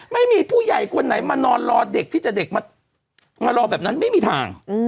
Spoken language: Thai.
ไม่มีผู้ใหญ่คนไหนมานอนรอเด็กที่จะเด็กมารอแบบนั้นไม่มีทาง